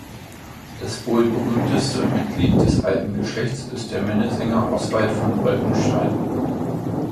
Das wohl berühmteste Mitglied des alten Geschlechts ist der Minnesänger Oswald von Wolkenstein.